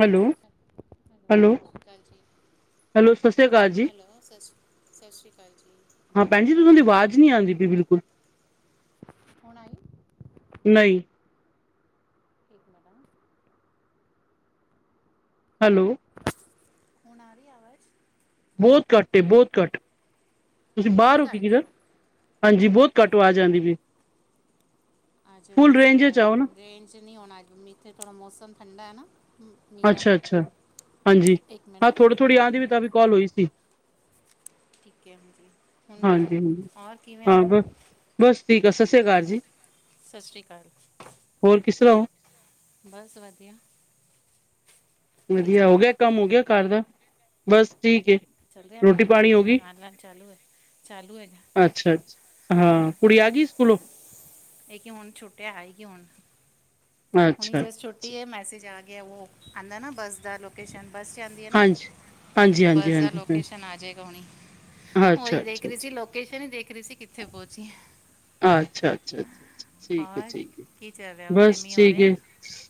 Hello hello, ਹਾਂਜੀ। Hello, ਸਤਿ ਸ੍ਰੀ ਅਕਾਲ ਜੀ। ਹੈਲੋ, ਸਤਿ ਸ਼੍ਰੀ, ਸਤਿ ਸ਼੍ਰੀ ਅਕਾਲ ਜੀ। ਹਾਂ ਭੈਣ ਔਰ ਜੀ, ਤੁਸਾ ਦੀ ਕਿਵੇਂ ਹੋ ਆਵਾਜ਼ ਨੀ ਆਉਂਦੀ ਪਈ ਬਿਲਕੁਲ। ਹੁਣ ਆਈ? ਨਹੀਂ। ਤੇਪ ਹੈਲੋ ਹੁਣ ਆ ਰੀ ਆਵਾਜ਼ ਬੋਤ ਘੱਟ ਏ ਬਹੁਤ ਘੱਟ। ਤੁਸੀਂ ਹੁਣ ਵੀ ਬਾਰ ਓ ਘੱਟ ਹੈ ਕਿਧਰੇ। ਹਾਂਜੀ ਬੋਤ ਘੱਟ ਵਾਜ ਆਂਦੀ ਪਈ। ਅੱਜ ਫੁੱਲ ਰੇਂਸ ਰੇਂਜ ਚ ਆਓ ਨਾ ਰੇਂਜ ਨੀ ਹੋਣਾ‌ ਅਜ ਏਥੇ ਥੋੜ੍ਹਾ ਮੌਸਮ ਠੰਡਾ ਐ ਨਾ। ਨੀ ਦਾ। ਅੱਛਾ ਅੱਛਾ ਇੱਕ ਮੈਂ ਨਾ ਮਿੰਟ ਤਬੀ ਕੋਲ ਹੋਈ ਸੀ। ਠੀਕ ਐ ਹੁਣ ਜੀ, ਹੁਣ ਬੋਲੋ ਹਾਂਜੀ ਹਾਂਜੀ ਔਰ ਕਿਵੇਂ ਓ। ਹਾਂ ਬ ਬਸ ਠੀਕ ਆ ਸੱਸੀ ਕਾਰ ਜੀ। ਸਾਸਰੀ ਕਾਲ। ਹੋਰ ਕਿਸਰ੍ਹਾਂ ਓ। ਬਸ ਵਧੀਆ। ਕੀ ਵਧੀਆ ਚੱਲ ਹੋ ਰਿਹਾ ਗਿਆ ਕੰਮ, ਹੋ ਗਿਆ ਘਰ ਦਾ। ਬਸ ਠੀਕ ਏ। ਚੱਲ ਰਿਆ ਰੋਟੀ ਨਾਲ ਨਾਲ, ਪਾਣੀ ਹੋ ਗਈ ਨਾਲ ਨਾਲ ਚਾਲੂ ਏ। ਚਾਲੂ ਏਗਾ। ਅੱਛਾ ਅੱਛਾ ਹਾਂ ਕੁੜੀ ਆ ਗੀ ਸਕੂਲੋਂ। ਏ ਕੀ ਹੁਣ ਛੁਟਿਆ ਆਏਗੀ ਹੁਣ। ਹੁਣੀ ਅੱਛਾ ਜਸਟ ਅੱਛਾ ਛੁੱਟੀ ਅੱਛਾ ਏ, ਮੈਸੇਜ ਆ ਗਿਆ ਵੋ ਆਂਦਾ ਨਾ ਬੱਸ ਦਾ ਲੋ ਏਸ ਟੈਮ ਬੱਸ ਤੇ ਆਂਦੀ ਐ ਨਾ, ਹਾਂਜੀ ਹਾਂਜੀ ਤੋ ਹਾਂਜੀ ਬੱਸ ਦਾ ਹਾਂਜੀ ਹਾਂ ਲੋਕੇਸ਼ਨ ਆ ਜੇਗਾ ਹੁਣੀ। ਅੱਛਾ, ਅੱਛਾ, ਹੋਈ ਵੇਖ ਅੱਛਾ, ਰੇ ਸੀ ਲੋਕੇਸ਼ਨ ਈ ਦੇਖ ਰੇ ਸੀ ਕਿੱਥੇ ਪੋਂਚੀ ਏ। ਅੱਛਾ ਅੱਛਾ ਅੱਛਾ ਠੀਕ ਏ ਠੀਕ‌ ਏ, ਕੀ ਚੱਲ ਰਿਹਾ ਉੱਥੇ ਬਸ ਮੀਂਹ ਹੋ ਠੀਕ ਰਿਹਾ ਹੈ? ਏ।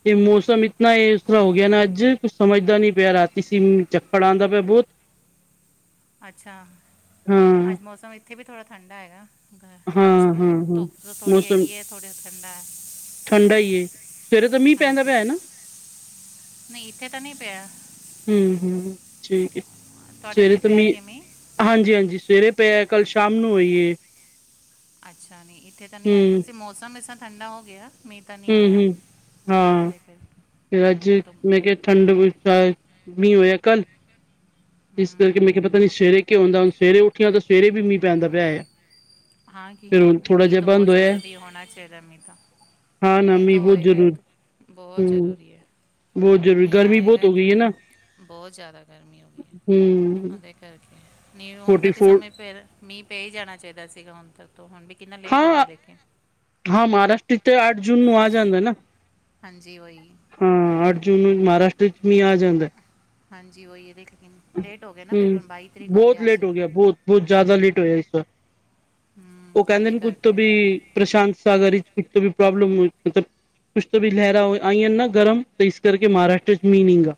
ਤੇ ਮੌਸਮ ਇਤਨਾ ਏਸ ਤਰਾ ਹੋ ਗਿਆ ਨਾ, ਅੱਜ ਕੁਛ ਸਮਝਦਾ ਨੀ ਪਿਆ ਰਾਤੀ ਸੀ ਝੱਖੜ ਆਂਦਾ ਪਿਆ ਬੋਤ। ਅੱਛਾ ਹਾਂ, ਅੱਜ ਮੌਸਮ ਏਥੇ ਵੀ ਥੋੜ੍ਹਾ ਠੰਡਾ ਐਗਾ। ਗ ਹਾਂ, ਮੌਸਮ ਤਾਂ ਹਾਂ, ਹਾਂ ਧੁੱਪ ਥੋੜ੍ਹੀ ਮੌਸਮ ਹੈਗੀ ਏ, ਥੋੜ੍ਹੀ ਠੰਡਾ ਐ। ਠੰਡਾ ਈ ਏ। ਸਵੇਰੇ ਤਾਂ ਮੀਂਹ ਪੈਂਦਾ ਪਿਆ ਹੈ ਨਾ। ਨਈ ਏਥੇ ਤਾਂ ਨੀ ਪਿਆ। ਹੂੰ ਹੂੰ ਠੀਕ ਏ, ਤੁਹਾਡੇ ਸਵੇਰੇ ਇੱਥੇ ਤੇ ਪਿਆ ਮੀਂ ਕਿਵੇਂ ਹਾਂਜੀ ਹਾਂਜੀ ਸਵੇਰੇ ਪਿਆ, ਕੱਲ੍ਹ ਸ਼ਾਮ ਨੂੰ ਹੋਈ ਏ। ਅੱਛਾ ਨੀ ਏਥੇ ਤਾਂ ਨੀ ਆਇਆ ਦਾ ਹੂੰ, ਸੀ, ਮੌਸਮ ਇਸ ਤਰ੍ਹਾਂ ਠੰਡਾ ਹੋ ਗਿਆ। ਮੀਂਹ ਤਾਂ ਨਹੀਂ ਹੂੰ ਹੋਇਆ ਹੂੰ ਹਾਂ ਦੇਖੋ ਤੇ ਮੈਂ ਅੱਜ ਹੁਣ ਤਾਂ ਮੈਂ ਕਿਆ ਠੰਡ ਵਿਚ ਆਈ। ਮੀਂ ਓਇਆ ਕੱਲ। ਇਸ ਕਰਕੇ ਹਮ, ਮੈਂ ਕਿਆ ਪਤਾ ਨੀ ਸਵੇਰੇ ਕੀ ਹੁੰਦਾ, ਹੁਣ ਸਵੇਰੇ ਉੱਠੀ ਆਂ ਤੇ ਸਵੇਰੇ ਵੀ ਮੀਂ ਪੈਂਦਾ ਪਿਆ ਹੈਗਾ। ਹਾਂ ਕੀ ਨਈ ਮੀਂ ਤੋਂ ਬੋਤ ਜ਼ਰੂਰੀ ਹੋਣਾ ਚਾਈਦਾ ਮੀਂ ਤਾਂ। ਹਾਂ ਨਾ ਮੀਂ ਮੀਂਹ ਤਾਂ ਬਹੁਤ ਹੋਏਗਾ ਜ਼ਰੂਰ ਏਥ ਬੋ ਜ਼ਰੂਰੀ ਐ। ਬੋ ਜ਼ਰੂਰੀ ਗਰਮੀ ਬੋਤ ਹੋ ਗੀ ਏ ਨਾ। ਬੋਤ ਜਾਦਾ ਗਰਮੀ ਹੋ ਗੀ ਐ, ਹੂੰ ਓਦੇ ਕਰਕੇ ਨੀ ਹੁਣ ਫੋਰਟੀ ਤਾਂ ਕਿਸ ਫੋਰ ਸਮੇਂ ਫੇਰ ਮੀਂ ਪੈ ਈ ਜਾਣਾ ਚਾਈਦਾ ਸੀਗਾ ਹੁਣ ਤੱਕ ਤੋਂ, ਹੁਣ ਵੀ ਕਿੰਨਾ ਲੇਟ ਹੋ ਹਾਂ ਗਿਆ ਲੇਕਿਨ। ਹਾਂ ਮਹਾਰਾਸ਼ਟਰ 'ਚ ਤੇ ਅੱਠ ਜੂਨ ਨੂੰ ਆ ਜਾਂਦਾ ਨਾ। ਹਾਂਜੀ ਓਈ। ਹਾਂ ਅੱਠ ਜੂਨ ਨੂੰ ਮਹਾਰਾਸ਼ਟਰ 'ਚ ਮੀਂਹ ਆ ਜਾਂਦਾ। ਹਾਂਜੀ ਓਈ ਏ ਲੇਕਿਨ ਲੇਟ ਓ ਗਿਆ ਨਾ, ਫੇਰ ਹੁਣ ਬਾਈ ਤਰੀਕ ਹੋ ਗਈ ਅੱਜ। ਬੋਤ ਜਾਦਾ ਲੇਟ ਹੋਇਆ ਇਸ ਵਾਰ। ਓ ਹਮ ਕੈਂਦੇ ਉਹਦੇ ਨੇ ਕੁਝ ਤੋਂ ਕਰਕੇ ਵੀ ਪ੍ਰਸ਼ਾਂਤ ਸਾਗਰ 'ਚ ਕੁੱਛ ਤੋਂ ਵੀ ਪ੍ਰੋਬਲਮ ਹੋਈ ਮਤਲਬ ਕੁੱਛ ਤਾਂ ਵੀ ਲਹਿਰਾ ਆਈਆਂ ਨਾ ਗਰਮ ਤੇ ਇਸ ਕਰਕੇ ਮਹਾਰਾਸ਼ਟਰ ਚ ਮੀਂਹ ਨੀ ਗਾ।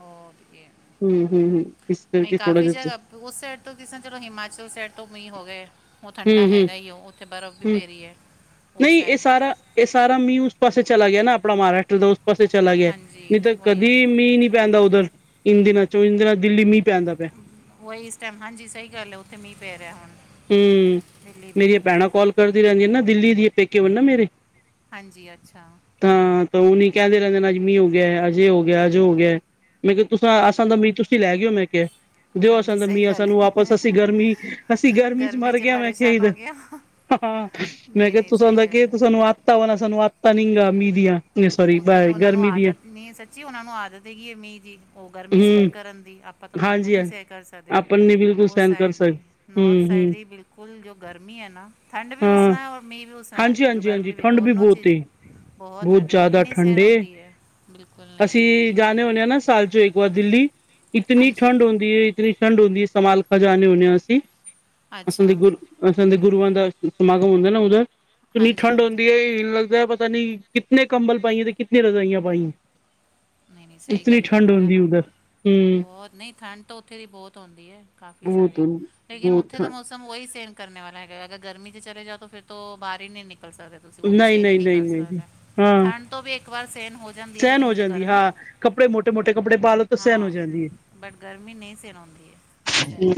ਔਕੇ ਹਮ, ਹਮ, ਹਮ ਨਹੀਂ ਕਾਫੀ ਜਗ੍ਹਾ ਉਸ ਸਾਈਡ ਤੋਂ ਕਿਸ ਤਰਾਂ ਚਲੋ ਹਿਮਾਚਲ ਸਾਈਡ ਤੋਂ ਮੀਹ ਹੋ ਗਏ। ਉਹ ਠੰਡਾ ਹੂੰ-ਹੂੰ, ਹੈਗਾ ਈ ਐ, ਉੱਥੇ ਬਰਫ਼ ਵੀ ਹੂੰ ਪੈ ਰਹੀ ਐ। ਨਹੀਂ ਇਹ ਸਾਰਾ, ਇਹ ਸਾਰਾ ਮੀਂਹ ਉਸ ਪਾਸੇ ਚਲਾ ਗਿਆ ਨਾ ਆਪਣਾ ਮਹਾਰਾਸ਼ਟਰ ਦ ਪਾਸੇ ਚਲਾ ਗਿਆ, ਨਹੀਂ ਹਾਂਜੀ ਤਾਂ ਵਹੀ ਕਦੀ ਹੋਏ ਮੀਂਹ ਨੀ ਪੈਂਦਾ ਉੱਧਰ ਇੰਨ ਦਿਨਾਂ ਚੋਂ ਇੰਨ ਦਿਨਾਂ ਦਿੱਲੀ ਮੀਂਹ ਪੈਂਦਾ ਪਿਆ। ਵਹੀ ਇਸ ਹਾਂਜੀ, ਸਹੀ ਗੱਲ ਏ ਉਥੇ ਮੀਂਹ ਪੈ ਰਿਹਾ ਹੁਣ ਹਮ, ਦਿੱਲੀ ਵੀ ਮੇਰੀਆਂ ਭੈਣਾਂ ਕੋਲ ਕਰਦੀ ਰਹਿੰਦੀਆਂ ਨਾ ਦਿੱਲੀ ਦੀਆਂ ਪੇਕੇ ਨਾ ਮੇਰੇ ਹਾਂਜੀ, ਅੱਛਾ ਤਾਂ ਉਹਨ ਕਹਿੰਦੇ ਰਹਿੰਦੇ ਨੇ ਅੱਜ ਮੀਂਹ ਹੋ ਗਿਆ, ਅਜੇ ਹੋ ਗਿਆ, ਅਜ ਹੋ ਗਿਆ। ਮੈਂ ਕਿਹਾ ਤੁਸਾਂ, ਔਰ ਅਸਾਂ ਦਾ ਮੀਂਹ ਤੁਸੀਂ ਲੈ ਗਏ ਮੈਂ ਕਿਹਾ। ਦਿਓ ਅਸਾਂ ਹਾਂਜੀ ਦਾ ਸਹੀ ਮੀਂਹ ਅਸਾਂ ਗੱਲ ਨੂੰ ਹੈ ਵਾਪਸ, ਅਸੀਂ ਗਰਮੀਂ ਗਰਮੀਂ ਚੱ ਗਰਮੀ ਮਰ 'ਚ ਗਿਆ ਮੈਂ ਕਿਹਾ ਪਰੇਸ਼ਾਨ ਹੋ ਇਧਰ, ਗਿਆ ਹਾਂ ਮੈਂ ਨਹੀਂ ਕਿਹਾ ਨਹੀਂ ਤੁਸਾਂ ਸਹੀ ਦਾ ਕੀ ਏ ਗੱਲ ਹੈ ਤੁਸਾਂ ਨੂੰ ਪੱਤਾ ਵਾ ਨਾ ਸਾਨੂੰ ਅੱਤਾ ਨਿੰਗਾ ਮੀਅ ਦੀਆ। ਉੱਥੇ ਤਾਂ ਉਹਨਾਂ ਨੂੰ ਆਦਤ ਨੀ ਸੱਚੀ ਉਹਨਾਂ ਨੂੰ ਆਦਤ ਹੈਗੀ ਮੀਂਹ ਦੀ, ਉਹ ਗਰਮੀਂ ਸਹਿਣ ਹੂੰ ਕਰਨ ਦੀ ਆਪਾਂ ਤਾਂ ਬਿਲਕੁੱਲ ਹਾਂਜੀ ਨਹੀਂ ਸਹਿ ਕਰ ਸਕਦੇ, ਆਪਨ ਨੀ ਬਿਲਕੁਲ ਉਸ ਸਹਿਣ ਕਰ ਸਾਈਡ ਸਕ ਦੀ ਹੂੰ ਨੋੌਰਥ ਸਾਈਡ ਹੂੰ ਦੀ ਬਿਲਕੁੱਲ ਕੁਲ ਜੋ ਗਰਮੀ ਐ ਨਾ, ਠੰਡ ਵੀ ਉਸ ਹਾਂ ਤਰਾਂ ਐ ਔਰ ਮੀਂਹ ਵੀ ਉਸ ਤਰਾਂ ਐ ਹਾਂਜੀ ਜੋ ਹਾਂਜੀ ਹਾਂਜੀ ਗਰਮੀ ਵੀ ਠੰਡ ਦੋਨੋ ਬਹੁਤ ਏ ਚੀਜ਼ਾ ਬਹੁਤ ਠੰਡ ਉਹ ਵੀ ਜ਼ਿਆਦਾ ਨਹੀਂ ਠੰਡ ਸਹਿਣ ਏ ਹੁੰਦੀ ਐ। ਅਸੀਂ ਜਾਦੇ ਹੁੰਦੇ ਹਾਂ ਨਾ ਸਾਲ ਚੋਂ ਇੱਕ ਵਾਰ ਦਿੱਲੀ, ਇਤਨੀ ਹਾਂਜੀ ਠੰਡ ਹੁੰਦੀ ਐ ਇਤਨੀ ਠੰਡ ਹੁੰਦੀ ਸਮਾਲਖਾਂ ਜਾਨੇ ਹੁੰਦੇ ਆ ਅਸੀ, ਅਸਾਂ ਅੱਛਾ ਦੇ ਗੁਰੂ ਅਸਾਂ ਦੇ ਗੁਰੂਆਂ ਦਾ ਸਮਾਗਮ ਹੁੰਦਾ ਨਾ ਉਧਰ, ਕਿੰਨੀ ਹਾਂਜੀ ਠੰਢ ਹਾਂਜੀ ਹੁੰਂਦੀ ਐ ਈ ਲੱਗਦਾ ਪਤਾ ਨੀ ਕਿਤਨੇ ਕੰਬਲ ਪਾਈਏ ਤੇ ਕਿਤਨੀ ਰਜਾਈਆਂ ਪਾਈਆਂ। ਨਹੀਂ- ਨਹੀਂ ਸਹੀ ਗੱਲ ਐ ਉਹਦਾ ਨਾ ਬਹੁਤ ਨਹੀਂ ਠੰਡ ਤਾਂ ਉੱਥੇ ਦੀ ਬਹੁਤ ਆਉਂਦੀ ਐ, ਕਾਫੀ ਸਾਰੀ ਲੇਕਿਨ ਉੱਥੇ ਤਾਂ ਮੌਸਮ ਵਹੀ ਸਹਿਣ ਕਰਨੇ ਵਾਲਾ ਹੈਗਾ, ਅਗਰ ਗਰਮੀ ਚ ਚਲੇ ਜਾਓ ਫਿਰ ਤੋ ਬਾਹਰ ਨਹੀਂ ਨਿਕਲ ਸਕਦੇ। ਤੁਸੀਂ ਉਹ ਤੋਂ ਸਹਿਣ ਈ ਨਹੀਂ ਕਰ ਸਕਦੇ। ਠੰਡ ਤੋਂ ਵੀ ਇੱਕ ਵਾਰ ਸਹਿਣ ਹੋ ਜਾਂਦੀ ਐ ਲੇਕਿਨ ਜੀ ਗਰਮੀ ਹਾਂ ਕੱਪੜੇ ਮੋਟੇ- ਮੋਟੇ ਕੱਪੜੇ ਪਾਲੋ ਤਾਂ ਸਹਿਣ ਹੋ ਜਾਂਦੀ ਐ। ਬੱਟ ਗਰਮੀ ਨਹੀਂ ਸਹਿਣ ਹੂੰਦੀ ਐ। ਉਸ ਸਾਈਡ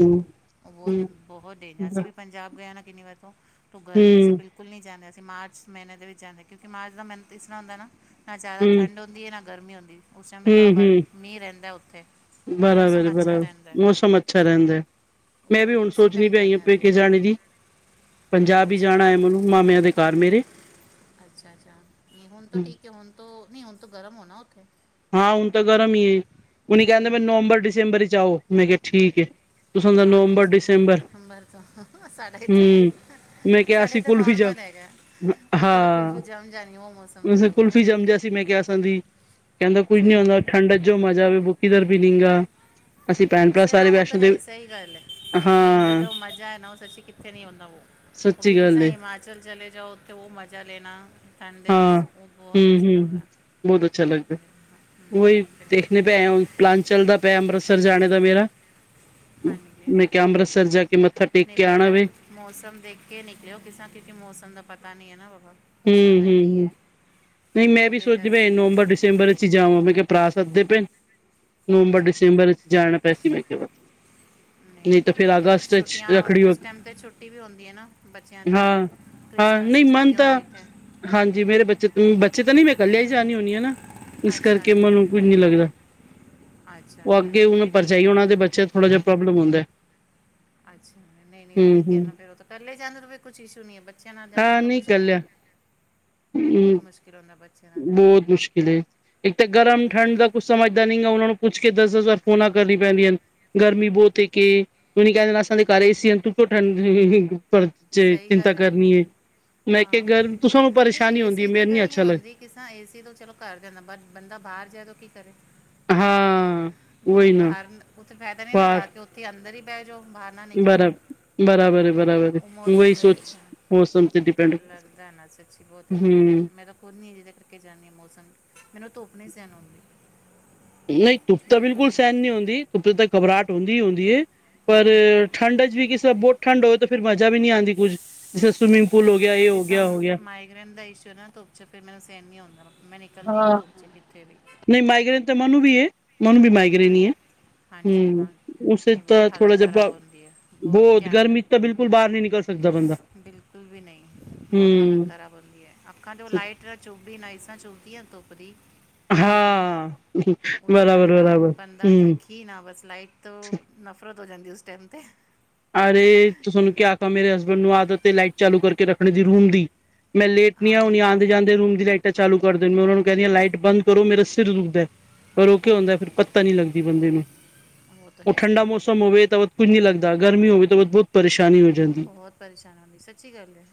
ਬਹੁਤ, ਬਹੁਤ ਦਿਨ ਅਸੀਂ ਵੀ ਪੰਜਾਬ ਗਿਆ ਨਾ ਕਿੰਨੀ ਵਾਰ ਤੋਂ ਤੂੰ ਗਰਮੀ ਚ ਬਿਲਕੁੱਲ ਸਕੂਲ ਨਹੀਂ ਜਾਂਦੇ, ਅਸੀਂ ਮਾਰਚ ਮਹੀਨੇ ਦੇ ਵਿੱਚ ਜਾਂਦੇ ਕਿਉਂਕਿ ਮਾਰਚ ਦਾ ਮਹੀਨਾ ਤਾਂ ਇਸ ਤਰ੍ਹਾਂ ਹੁੰਦਾ ਨਾ ਜ਼ਿਆਦਾ ਠੰਡ ਹੁੰਦੀ ਐ ਨਾ ਗਰਮੀਂ ਹੁੰਦੀ, ਉਸ ਟਾਈਮ ਵੀ ਥੋੜ੍ਹਾ ਮੀਂਹ ਰਹਿੰਦਾ ਉੱਥੇ ਬਰਾਬਰ, ਮੌਸਮ ਅੱਛਾ ਬਰਾਬਰ ਰਹਿੰਦਾ ਹੈ ਮੌਸਮ ਅੱਛਾ ਰਹਿੰਦਾ ਐ। ਮੈਂ ਵੀ ਹੁਣ ਸੋਚਣੀ ਪਈ ਆ ਪੇਕੇ ਜਾਣੇ ਦੀ ਪੰਜਾਬ ਈ ਜਾਣਾ ਐ ਮੈਨੂੰ ਮਾਮਿਆਂ ਦੇ ਘਰ ਮੇਰੇ ਕਿ ਹੁਣ ਤੋ ਨਹੀਂ ਹੁਣ ਤੋ ਗਰਮ ਹੋਣਾ ਉੱਥੇ ਹਾਂ ਹੁਣ ਤਾਂ ਗਰਮ ਈ ਐ, ਹੁਣ ਕਹਿੰਦੇ ਨੇ ਨਵੰਬਰ, ਦਿਸਂਬਰ ਚੱ ਆਉ ਮੈਂ ਕਿਹਾ ਠੀਕ ਐ। ਹਾਂ ਨਹੀਂ ਸਹੀ ਦਿਸਂਬਰ ਤੋਂ ਸਾਡਾ ਹੂੰ ਇਥੇ ਮੈਂ ਕਿਹਾ ਅਸੀ ਕੁਲਫੀ ਜ ਹਾਂ, ਕੁਲਫ਼ੀ ਜਂਮ ਜਾਸੀ ਮੈਂ ਕਿਹਾ ਅਸਾਂ ਦੀ ਕਹਿੰਦਾ ਕੁੱਝ ਨੀ ਹੁੰਦਾ ਠੰਡ ਚ ਜੋ ਮਜ਼ਾ ਵੀ ਬੁ ਕਿੱਧਰ ਵੀ ਨੀਗਾ। ਅਸੀਂ ਭੈਣ ਭਰਾ ਸ ਹਾਂ ਸਾਰੇ ਉਹ ਤਾਂ ਵੈਸ਼ਨੋ ਹੈ ਦੇਵੀ ਹੀ ਸਹੀ ਗੱਲ ਐ। ਠੰਡ ਹਾਂ ਜੋ ਮਜ਼ਾ ਐ ਨਾ ਉਹ ਸੱਚੀ ਕਿੱਥੇ ਨੀ ਆਉਂਦਾ ਉਹ ਸੱਚੀ ਗੱਲ ਏ। ਚਲ ਚਲੇ ਜਾਓ, ਓਥੇ ਉਹ ਮਜ਼ਾ ਲੇਣਾ ਠੰਡ ਦੇ ਵਿੱਚ ਓਹ ਬੋਤ ਅੱਛਾ ਲੱਗਦਾ। ਬੋਤ ਅੱਛਾ ਲੱਗਦਾ। ਹਮ, ਹਮ, ਓਹੀ ਹਮ, ਦੇਖਦੇ ਨਾਲ- ਤੇ ਹੈ, ਪਲਾਨ ਚੱਲਦਾ ਪੇਆ ਅੰਮ੍ਰਿਤਸਰ ਜਾਣੇ ਦਾ ਮੇਰਾ। ਹਾਂਜੀ ਮੈਂ ਕੇਆ ਅੰਮ੍ਰਿਤਸਰ ਜਾ ਕੇ ਮੱਥਾ ਟੇਕ ਨਹੀਂ ਕੇ ਆਣਾ ਵੈਦਰ ਵੇ ਮੌਸਮ ਦੇਖ ਕੇ ਨਿਕਲਿਓ ਕਿਸਾ, ਕਿਉਂਕਿ ਮੌਸਮ ਦਾ ਪਤਾ ਨਈ ਨਾ ਬਾਬਾ। ਹੂੰ, ਕਿਸਾਂ ਦਾ ਹੂੰ, ਕੀ ਹੂੰ, ਹੈ ਨਈ ਮੈਂ ਵੀ ਉਹਦੇ ਸੋਚਦੀ ਪਈ ਕਰਕੇ ਨਵੰਬਰ- ਦਸੰਬਰ ਵਿਚ। ਕੀ ਜਾਵਾਂ ਮੈਂ ਕੇਆ ਭਰਾ ਸਦਦੇ ਪਏ, ਨਵੰਬਰ- ਹਾਂਜੀ ਦਿਸੰਬਰ ਵਿੱਚ ਜਾਣਾ ਪੈ ਸੀ ਮੈਂ ਕੇਆ ਬਤਾ ਨਈ-ਨਈ ਫੇਰ ਟੀਚਰ, ਛੁੱਟੀਆਂ ਉਸ ਟਾਈਮ ਤੇ ਛੁੱਟੀ ਵੀ ਹੁੰਦੀ ਹੈ ਨਾ ਬੱਚੇਆਂ ਦੀ ਹਾਂ ਹਾਂ, ਕ੍ਰਿਸਮਸ ਨਈ ਦੀ ਮਨ ਛੁੱਟੀ ਤਾਂ ਹੁੰਦੀ ਤੇ ਹਾਂਜੀ ਮੇਰੇ ਬੱਚੇ, ਬੱਚੇ ਤਾਂ ਨਈ ਮੈਂ ਕੱਲੇਆ ਈ ਜਾਣੀ ਹੁੰਦੀ ਆਂ ਨਾ ਇਸ ਅੱਛਾ ਕਰਕੇ ਮਨ ਓਵੇਂ ਨਈ ਲੱਗਦਾ, ਅੱਛਾ ਓ ਅੱਗੇ ਨਹੀਂ ਮੈਨੂੰ ਵੀ ਠੀਕ ਭਰਜਾਈ ਹੈ ਹੋਣਾ ਦੇ ਬੱਚੇ ਥੋੜਾ ਜੇਆ ਪ੍ਰੋਬਲਮ ਹੁੰਦਾ ਅੱਛਾ ਨਈ- ਨਈ ਹੂੰ ਠੀਕ ਹੈ ਹੂੰ ਨਾ ਫੇਰ ਓ ਤਾਂ, ਕੱਲੇ ਜਾਂਣ ਦਾ ਤਾਂ ਫੇਰ ਕੁਛ ਇਸ਼ੂ ਨਈ ਐ, ਬੱਚੇਆਂ ਨਾਲ ਜਾਣਾ ਹਾਂ ਬੜਾ ਨਹੀਂ ਮੁਸ਼ਕਿਲ ਐ [unintelligible] ਬੋਤ ਮੁਸ਼ਕਿਲ ਹੁੰਦਾ ਬੱਚੇ ਬੋਤ ਮੁਸ਼ਕਿਲ ਏ ਇੱਕ ਤਾਂ ਗਰਮ ਠੰਢ ਇੱਕ ਦਾ ਕੁਛ ਸਮਝਦਾ ਨਈ ਆ, ਓਨਾਂ ਨੂੰ ਪੁੱਛ ਕੇ ਦੱਸ ਹਜ਼ਾਰ ਫੋਨਾਂ ਕਰਨੀਆਂ ਪੈਂਦੀਆਂ ਨੇ ਗਰਮੀ ਬੋਤ ਏ ਕੇ ਓਨੇ ਕੈ ਦੇਨਾ ਸਾਡੇ ਘਰ ਏ-ਸੀ ਜੀ ਸਹੀ ਚਿੰਤਾ ਗੱਲ ਹੈ ਕਰਨੀ ਏ, ਮੈਂ ਕੇਆ ਹਾਂ ਗ ਕਿਸੇ ਨੂੰ ਪਰੇਸ਼ਾਨੀ ਹੁੰਦੀ ਐ ਮੈਨੂੰ ਨੀ ਅੱਛਾ ਲੱਗ ਕਿਸਾ ਏ -ਸੀ ਤੋਂ ਚਲੋ ਘਰ ਦੇ ਨੇ, ਬਟ ਬੰਦਾ ਬਾਹਰ ਜਾਏ ਤਾਂ ਕੀ ਕਰੇ? ਹਾਂ ਬ ਉਹੀ ਨਾ ਬਾਰ, ਓਥੇ ਫਾਇਦਾ ਨਈ ਨਾ ਜਾ ਕੇ, ਓਥੇ ਅੰਦਰ ਈ ਬੈ ਜਾਓ ਬਾਰ ਬਰਾਬਰ-ਬਰਾਬਰ ਏ ਬਰਾਬਰ। ਓ ਮੌਸਮ ਦੇ ਵਿੱਚ ਲੱਗਦਾ ਨਾ ਸੱਚੀ ਬੋਤ, ਮੈ ਤਾਂ ਹੁਣ ਨਈ ਹੈਗੀ ਜਿਦੇ ਕਰਕੇ ਜਾਂਨੀ ਆ ਮੌਸਮ, ਮੈਨੂੰ ਧੁੱਪ ਨਈ ਸੈਨ ਹੁੰਦੀ। ਨਈ ਧੁੱਪ ਤਾਂ ਬਿਲਕੁਲ ਸੈਣ ਨਈ ਹੁੰਦੀ, ਧੁੱਪੇ ਤਾਂ ਘਬਰਾਹਟ ਹੁੰਦੀ ਈ ਹੁੰਦੀ ਐ ਪਰ ਹਮ, ਠੰਡ ਚ ਵੀ ਕਿਸੇ ਬੋਤ ਠੰਢ ਹੋਏ ਤਾਂ, ਫਿਰ ਮਜ਼ਾ ਵੀ ਨਈ ਆਂਦੀ ਕੁਝ, ਜਿਸ ਸਵਮਿੰਗ ਪੂਲ ਹੋ ਗੇਆ, ਏ ਹੋ ਗੇਆ, ਓ ਹੋ ਗੇਆ। ਰੇਂਦਾ ਈਸ਼ਵਰ ਨਾ ਧੁਪ ਚ ਫਿਰ ਮੈਨੂੰ ਸੈਣ ਨੀ ਹੁੰਦਾ, ਮੈਂ ਨਿਕਲਦੀ ਨੀ ਧੁੱਪ 'ਚ ਕਿੱਤੇ ਵੀ ਨਈ ਮਾਈਗ੍ਰੇਨ ਤਾਂ ਮੈਨੂੰ ਵੀ ਏ, ਮੈਨੂੰ ਵੀ ਮਾਈਗਰੇੇਨ ਈ ਏ ਹਨ ਹਾਂਜੀ ਹੂੰ, ਹਾਂ ਉਸੇ ਨਹੀਂ ਬਹੁਤ ਤਾਂ ਥੋੜਾ ਹਾਲਤ ਜੇਆ ਖਰਾਬ ਬੋਤ, ਹੁੰਦੀ ਹੈ ਬਹੁਤ -ਬੋਤ ਧਿਆਨ ਗਰਮੀ ਚ ਤੇ ਬਿਲਕੁਲ ਬਾਰ ਨਈ ਨਿਕਲ ਸਕ ਸਕਦਾ ਬੰਦਾ ਬਿਲਕੁਲ ਵੀ ਨਈ, ਬੋਤ ਹਾਲਤ ਹਮ ਖਰਾਬ ਹੋਰ ਕੀ ਆ, ਅੱਖਾਂ ਤੇ ਓ ਲਾਈਟ ਤਾ ਚੁਭਦੀ, ਨਾਈਸਾ ਚੁਭਦੀਆਂ ਧੁੱਪ ਦੀ ਹਾਂ, ਨਾਲ ਬਰਾਬਰ- ਦਾ ਨਾ ਬਰਾਬਰ। ਬੰਦਾ ਹਮ ਦੇਖੀ ਨਾ, ਬਸ ਲਾਈਟ ਤੋਂ ਨਫ਼ਰਤ ਹੋ ਜਾਂਦੀ ਉਸ ਟਾਈਮ 'ਤੇ ਅਰੇ ਤਾਨੂੰ ਕੀਆ ਆਖਾ, ਮੇਰੇ ਹਸਬੈਂਡ ਨੂੰ ਆਦਤ ਏ ਲਾਈਟ ਚਾਲੂ ਕਰਕੇ ਰੱਖਣੀ ਜੀ ਰੂਮ ਦੀ ਮੈਂ ਲੇਟਦੀ ਹਾਂ ਆ ਹੁਨੀ ਆ। ਜਾਂਦੇ ਰੂਮ ਦੀ ਲਾਈਟਾਂ ਚਾਲੂ ਕਰਦੇ ਨੇ, ਮੈ ਓਨਾ ਨੂੰ ਕੇਂਦੀ ਆ ਲਾਈਟ ਬੰਦ ਕਰੋ ਮੇਰਾ ਸਿਰ ਦੁਖਦਾ। ਪਰ ਓ ਕੀ ਹੁੰਦਾ, ਫਿਰ ਪਤਾ ਨੀ ਲੱਗਦੀ ਬੰਦੇ ਨੂੰ ਉਹ ਤਾਂ ਓ ਹੈ ਠੰਡਾ ਸਹੀ ਗੱਲ ਹੈ ਮੌਸਮ ਹੋਵੇ ਤਾਂ ਬ ਕੁੱਝ ਨੂਈ ਲਗਦਾ, ਗਰਮੀ ਹੋਵੇ ਤਾਂ ਬ ਬੋਤ ਪਰੇਸ਼ਾਨੀ ਹੋ ਜਾ ਬੋਤ ਪਰੇਸ਼ਾਨੀ ਹੁੰਦੀ, ਸੱਚੀ ਗੱਲ ਏ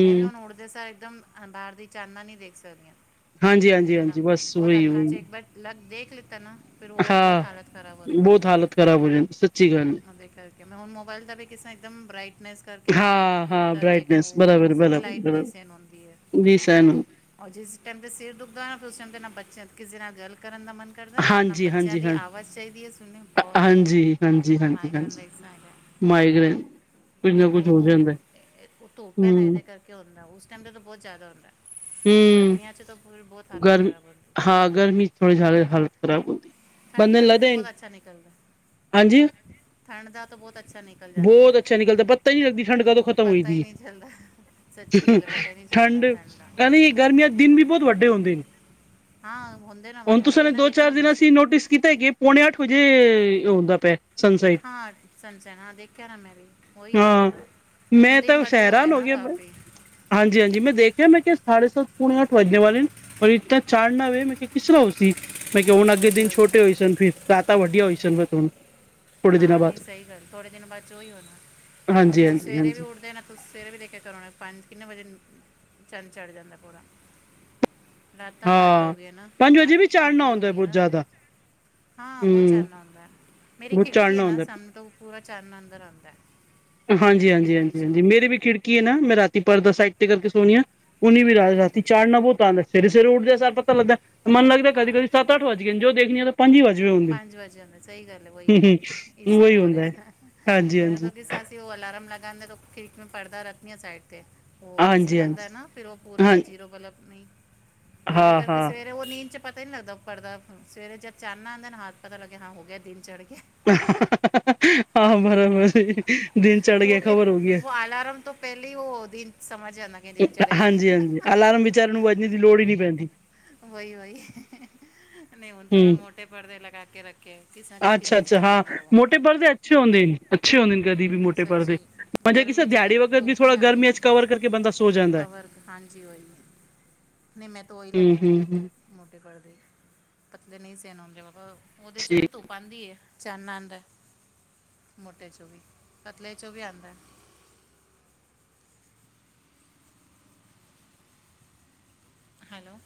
ਮੈਂ ਵੀ ਹੁਨ ਓ ਓਠਦੇ ਸਾਰ ਇੱਕਦਮ ਬਾਰ ਦੀ ਚਾਨਨਾ ਨਈ ਦੇਖ ਸਕਦੀ ਆ ਇਕਦਮ ਨਾਲ ਹਾਂਜੀ-ਹਾਂਜੀ-ਹਾਂਜੀ ਬਸ ਬੋਤ ਅੱਖਾਂ 'ਚ ਉਹੀ-ਉਹੀ ਇੱਕ ਬਟ ਲਗ ਦੇਖ ਲਿਤਾ ਨਾ, ਫਿਰ ਓ ਬੋਤ ਹਾਲਤ ਖ਼ਰਾਬ ਹੁੰਦੀ ਏ ਖਰਾਬ ਹੋ ਜਾਂਦੀ ਸੱਚੀ ਗੱਲ ਏ। ਓਦੇ ਕਰਕੇ, ਮੈਂ ਹੁਣ ਮੋਬਾਇਲ ਦਾ ਵੀ ਕਿਸ ਤਾਂ ਇੱਕਦਮ ਬ੍ਰਈਟਨੈਸ ਕਰਕੇ ਨਾ ਆਪਣਾ ਹਾਂ-ਹਾਂ ਤਦ ਦੇਖਣਾ, ਬਰਾਈਟਨੈਸ ਓਸਦੀ ਵੀ ਲਾਈਟ ਨਈ ਬਰਾਬਰ-ਬਰਾਬਰ-ਬਰਾਬਰ ਸੇਨ ਹੁੰਦੀ ਏ। ਜੀ ਸਹਿਣ ਔਰ ਜਿਸ ਟਾਈਮ ਤੇ ' ਸਿਰ ਦੁਖਦਾ ਨਾ, ਫਿਰ ਉਸ ਟਾਈਮ ਤੇ ਨਾ ਬੱਚੇਆਂ ਤੇ ਨਾ ਕਿਸੇ ਨਾਲ ਗਲ ਕਰਨ ਦਾ ਮਨ ਕਰ ਕਰਦਾ, ਨਾ ਬੱਚਿਆਂ ਹਾਂਜੀ-ਹਾਂਜੀ ਦੀ ਹਾਂ ਆਵਾਜ਼ ਚਾਹੀਦੀ ਐ ਸੁਣਨੀ ਬਹੁਤ। ਮਾਈਗ੍ਰੇਨ ਹਾਂਜੀ-ਹਾਂਜੀ-ਹਾਂਜੀ, ਦਾ ਇਸਾ ਹੈਗਾ ਮਾਈਗ੍ਰੇਨ। ਕੁੱਝ ਨਾ ਨਹੀਂ ਕੁੱਝ ਉਹ ਹੋ ਧੁੱਪ, ਜਾਂਦਾ ਉਹ ਧੁੱਪ ਹੂੰ ਐ ਨਾ ਇਹਦੇ ਕਰ ਕੇ ਹੋਂਦਾ, ਉਸ ਟਾਈਮ 'ਤੇ ਤਾਂ ਬਹੁਤ ਜ਼ਿਆਦਾ ਹੁੰਦਾ ਹੂੰ ਗਰਮੀਆਂ 'ਚ ਤਾਂ ਫਿਰ ਬਹੁਤ ਹਾਲਤ ਗਰਮੀ ਖ਼ਰਾਬ ਹੁੰ ਹਾਂ, ਗਰਮੀ'ਚ ਥੋੜੀ ਜਿਆਦੇ ਹਾਲਤ ਖਰਾਬ ਹੁੰਦੀ। ਬੰਦੇ ਠੰਡ ਨੂੰ ਵਿੱਚ ਲੱਗਦਾ ਬਹੁਤ ਅੱਛਾ ਨਿਕਲਦਾ। ਹਾਂਜੀ। ਠੰਡ ਦਾ ਤਾਂ ਬਹੁਤ ਅੱਛਾ ਨਿਕਲ ਜਾਂਦਾ ਬੋਤ ਹੈ। ਅੱਛਾ ਨਿਕਲਦਾ, ਪੱਤਾ ਈ ਨਹੀਂ ਲੱਗਦੀ ਠੰਡ ਕਦੋਂ ਖ਼ਤਮ ਹੋਈ ਪਤਾ ਹੀ ਦੀ। ਨਹੀਂ ਚੱਲਦਾ ਸੱਚੀ ਗੱਲ ਹੈ ਪਤਾ ਹੀ ਨਹੀਂ ਠੰਡ, ਚੱਲਦਾ ਦਾ ਕਵੀ ਗਰਮੀਆਂ'ਚ ਦਿਨ ਵੀ ਬਹੁਤ ਵੱਡੇ ਹੋਂਦੇਨ। ਹਾਂ ਹੁੰਦੇ ਨਾ ਬਣ ਹੁਣ ਤੁਸਾ ਨੇ ਕਿੰਨਾ ਦੇਖ ਦੋ-ਚਾਰ ਲਾਂ ਦਿਨਾ'ਚ ਤੁਸੀਂ ਅਸੀਂ ਨੋਟਿਸ ਕੀਤਾ ਕਿ ਪੌਣੇ ਅੱਠ ਵਜੇ ਏ, ਹੋਂਦਾ ਪਿਆ। ਸਨਸਾਈਡ ਹਾਂ, ਸਨ-ਸੈਨ ਹਾਂ ਦੇਖਿਆ ਨਾ ਮੈਂ ਵੀ, ਉਹੀ ਹੋ ਰਿਹਾ ਹਾਂ ਨਾ। ਹੁਣ ਦਿਨ ਵੱਡੇ ਹੋ ਗਏ ਨਾ, ਕਾਫੀ। ਹਾਂਜੀ-ਹਾਂਜੀ, ਮੈਂ ਦੇਖਿਆ ਮੈਂ ਕਿਹਾ ਸਾਢੇ ਸਤ, ਪੁਣੇ ਅਠ ਵੱਜਨ ਵਾਲੇਨ, ਪਰ ਇਤਨਾ ਚਾਣਨਾ ਦੇ, ਮੈਂ ਕਿਹਾ ਕਿਸਰਾ ਹੋਸੀ। ਮੈਂ ਕਿਹਾ ਹੁਣ ਅੱਗੇ ਦਿਨ ਛੋਟੇ ਹੋਏ ਸਨ, ਰਾਤਾ ਵਡੀਆ ਹੋਈ ਸਨ, ਵਤ ਹੁਣ। ਥੋੜੇ ਦਿਨਾਂ ਹਾ- ਬਾਅਦ ਨਹੀਂ ਸਹੀ ਗੱਲ, ਥੋੜੇ ਦਿਨ ਬਾਅ'ਚ ਉਹੀ ਹੋਣਾ, ਹੁਣ ਹਾਂਜੀ ਤੁਸੀਂ -ਹਾਂਜੀ ਸਵੇਰੇ ਵੀ -ਹਾਂਜੀ ਉੱਠਦੇ ਨਾ ਤੁਸੀਂ ਸਵੇਰੇ ਵੀ ਦੇਖਿਆ ਕਰੋ ਨਾ, ਪੰਜ ਕਿੰਨੇ ਵਜੇ, ਚੰਨ ਚੜ੍ਹ ਜਾਂਦਾ ਪੂਰਾ। ਰਾਤਾਂ ਘੱਟ ਹਾਂ ਹੋਗੀਆ ਨਾ, ਪੰਜ ਰਾਤ ਵਜੇ ਵੀ ਚਾੜਨਾ ਇਹ ਹੋ ਹੁੰਦਾ ਗਈਆਂ ਬਹੁਤ ਨਾ ਜ਼ਿਆਦਾ ਹਾਂ, ਬਹੁਤ ਹਮ ਚਾਣਨਾ ਹੁੰਦਾ, ਮੇਰੀ ਬਹੁਤ ਖਿੜਕੀ ਏ ਚਾੜਨਾ ਨਾ, ਹੁੰਦਾ ਸਾ ਤੋਂ ਪੂਰਾ ਚਾਣਨਾ‌ ਅੰਦਰ ਆਂਦੈ। ਹਾਂਜੀ-ਹਾਂਜੀ- ਹਾਂਜੀ-ਹਾਂਜੀ, ਮੇਰੀ ਵੀ ਖਿੜਕੀ ਏ ਨਾ, ਮੈਂ ਰਾਤੀ ਪਰਦਾ ਸਾਈਡ ਤੇ ਕਰਕੇ ਸੋਨੀ ਆ। ਉਨੀ ਵੀ ਰਾ, ਹਮ, ਰਾਤੀ ਚਾਣਨਾ ਬੋਤ ਆਂਦਾ, ਸਵੇਰੇ-ਸਵੇਰੇ ਉੱਠਦਿਆ ਸਾਰ ਪਤਾ ਲੱਗਦਾ, ਮਨ ਲੱਗਦਾ ਕਦੀ-ਕਦੀ ਸਤ ਸੱਤ, ਅੱਠ ਵੱਜ ਗਏਨ, ਜਦੋਂ ਦੇਖਨੀ ਆ, ਤਾ ਪੰਜ ਵਜੇ ਹੋਂਦੇ ਸਹੀ ਗੱਲ ਏ, ਉਹੀ ਵਹੀ ਹਮ ਇਸ ਰਾ ਹੀ ਉਹੀ ਹੋ ਹੁੰਦਾ ਹੈ ਰਿਹਾ, ਹਾਂਜੀ ਮੈਨੂੰ -ਹਾਂਜੀ ਤਾਂ ਕਿਸ ਸੱਸ ਉਹ ਅਲਾਰਮ ਲਗਾਂਦਾ, ਖਿੜਕੀ ਨੂੰ ਪੜਦਾ ਰੱਖਦੀ ਆਂ ਸਾਈਡ ਤੇ। ਉਹ ਏਸੀ -ਹਾਂਜੀ ਲੱਗਦਾ -ਹਾਂਜੀ ਨਾ, ਫਿਰ ਉਹ ਹਾਂ ਪੂਰਾ ਜੀਰੋ ਬਲਬ ਨਹੀਂ, ਤੇ ਉਹਦੇ ਕਰਕੇ ਸਵੇਰ ਫਿਰ ਉਹ ਨੀਂਦ'ਚ ਪਤਾ ਈ ਨੀ ਲੱਗਦਾ ਓ ਪਰਦਾ, ਸਵੇਰੇ ਜਦ ਚਾਣਨਾ ਆਂਦਾ ਨਾ, ਹਥ ਪਤਾ ਲੱਗਿਆ ਹਾਂ ਹੋਗਿਆ, ਦਿਨ ਚੜ੍ਹ ਗਿਆ। ਹਾਂ, ਬਰਾਬਰ ਏ। ਉਹ ਫਿਰ, ਉਹ ਆਲਾਰਮ ਤੋ ਪਹਿਲੇ ਹੀ ਉਹ ਦਿਨ ਸਮਝ ਜਾਨਾ ਕਿ ਦਿਨ ਚੜ੍ਹ ਹਾਂਜੀ ਗਿਆ। ਹਾਂਜੀ ਅਲਾਰਮ ਵਿਚਾਰੇ ਨੂੰ, ਵੱਜਣੇ ਦੀ ਲੋੜ ਈ ਨਹੀਂ ਪੈਂਦੀ। ਵਹੀ, ਵਹੀ, ਨਹੀਂ ਹੁਣ ਤਾਂ ਮੈਂ ਮੋਟੇ ਪਰਦੇ ਲਗਾਕੇ ਰੱਖੇ। ਅੱਛਾ-ਅੱਛਾ, ਹਾਂ, ਮੋਟੇ ਪਰਦੇ ਅੱਛੇ 'ਚ ਹੋਂਦੇਨ, ਅੱਛੇ ਹੁੰਦੇ ਨੇ ਕਦੀ ਵੀ ਮੋਟੇ ਪਰਦੇ। ਸੱਚੀ ਮਗਰ ਕਿਸੇ ਗਰਮੀ 'ਚ ਨਹੀਂ ਦਿਹਾੜੀ ਵਗਤ ਵੀ, ਧੁੱਪ ਥੋੜਾ ਨਹੀਂ ਆਉਂਦੀ ਨਾ ਗਰਮੀਆਂ'ਚ ਕਵਰ ਕਰਕੇ ਬੰਦਾ ਸੋ ਜਾਂਦਾ ਏ। ਨਹੀਂ, ਮੈਂ ਤੋ ਓਈ ਲਗਾਕੇ ਰੱਖਿਆ। ਮ੍ਹੋਟੇ ਪਰਦੇ, ਪਤਲੇ ਨਹੀਂ ਸੇਨ ਹੁੰਦੇ, ਉਹਦੇ'ਚ ਠੀਕ ਵੀ ਧੁੱਪ ਆਂਦੀ ਏ। ਚਾੰਨਣਾ ਆਂਦਾ, ਮੋਟੇ'ਚੋ ਵੀ, ਪਤਲੇ'ਚੋ ਵੀ ਆਂਦਾ। ਹੈਲੋ?